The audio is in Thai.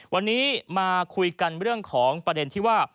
วันนี้มาคุยกันเรื่องของประเด็นที่ว่า